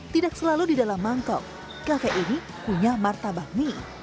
tidak selalu di dalam mangkok kafe ini punya martabak mie